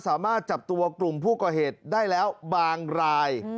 สามารถจับตัวกลุ่มผู้ก่อเหตุได้แล้วบางราย